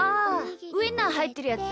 ウインナーはいってるやつ。